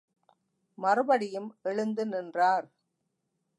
மறுபடியும் எழுந்து நின்றார்.